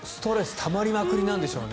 たまりまくりでしょうね。